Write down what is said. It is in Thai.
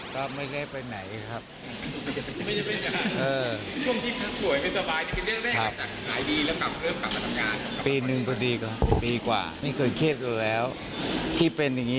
ก็ไม่ได้บ้าจริงครับ๑ปีหนึ่งคือ๒กว่าไม่เข้าข้างในแล้วที่เป็นยัง